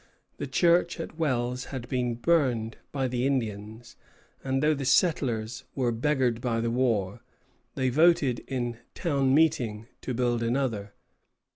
The church at Wells had been burned by the Indians; and though the settlers were beggared by the war, they voted in town meeting to build another.